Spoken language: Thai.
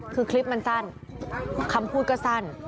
คือคลิปมันสั้นคำพูดก็สั้น